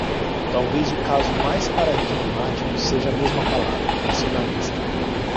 Talvez o caso mais paradigmático seja a mesma palavra "nacionalista".